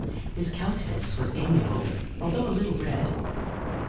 His countenance was amiable, although a little red.